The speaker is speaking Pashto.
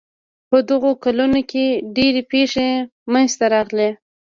په دغو کلونو کې ډېرې پېښې منځته راغلې.